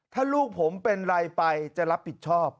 ถ้าลูกผมเป็นไรไปจะรับผิดชอบ